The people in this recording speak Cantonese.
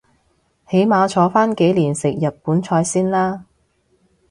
起碼坐返幾年食日本菜先啦